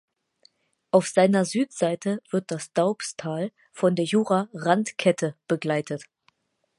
Auf seiner Südseite wird das Doubstal von der Jura-Randkette begleitet.